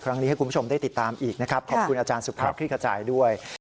ให้คุณผู้ชมได้ติดตามอีกนะครับขอบคุณอาจารย์สุภาพคลิกขจายด้วย